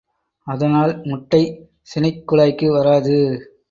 அதனால் முட்டை சினைக் குழாய்க்கு வராது.